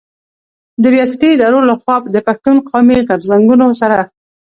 د رياستي ادارو له خوا د پښتون قامي غرځنګونو سره